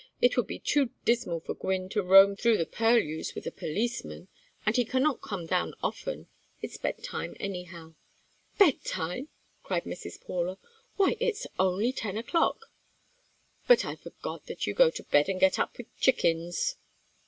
It would be too dismal for Gwynne to roam through the purlieus with a policeman and he cannot come down often. It's bedtime, anyhow." "Bedtime?" cried Mrs. Paula. "Why, it's only ten o'clock. But I forgot that you go to bed and get up with chickens."